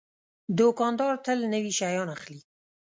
دوکاندار تل نوي شیان اخلي.